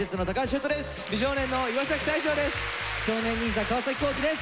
美少年の岩大昇です。